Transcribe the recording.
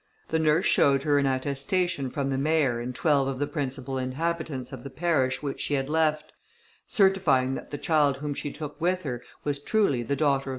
The nurse showed her an attestation from the mayor and twelve of the principal inhabitants of the parish which she had left, certifying that the child whom she took with her, was truly the daughter of M.